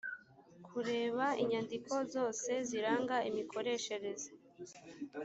kureba inyandiko zose ziranga imikoreshereze